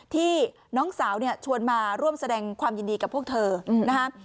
ที่น้องสาวเนี่ยชวนมาร่วมแสดงความยินดีกับพวกเธอนะครับ